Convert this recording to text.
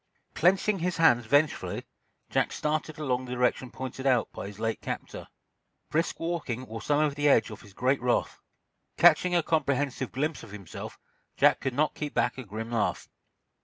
Clenching his hands vengefully, Jack started along in the direction pointed out by his late captor. Brisk walking wore some of the edge off his great wrath. Catching a comprehensive glimpse of himself, Jack could not keep back a grim laugh.